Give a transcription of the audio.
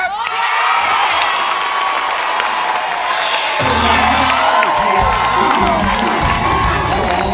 ได้ครับ